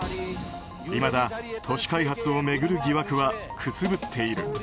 いまだ、都市開発を巡る疑惑はくすぶっている。